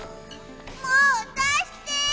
もうだして！